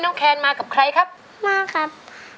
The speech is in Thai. แคนมากับใครครับมาครับ